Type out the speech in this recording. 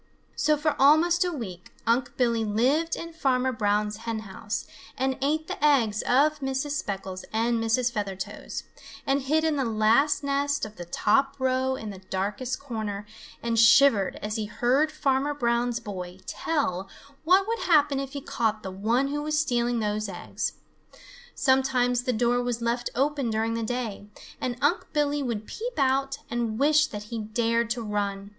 So for almost a week Unc' Billy lived in Farmer Brown's hen house and ate the eggs of Mrs. Speckles and Mrs. Feathertoes and hid in the last nest of the top row in the darkest corner and shivered as he heard Farmer Brown's boy tell what would happen if he caught the one who was stealing those eggs. Sometimes the door was left open during the day, and Unc' Billy would peep out and wish that he dared to run.